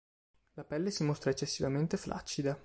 La pelle si mostra eccessivamente flaccida.